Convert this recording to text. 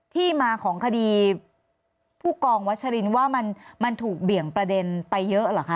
ที่มาของคดีผู้กองวัชรินว่ามันถูกเบี่ยงประเด็นไปเยอะเหรอคะ